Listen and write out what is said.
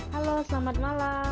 halo selamat malam